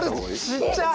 ちっちゃい！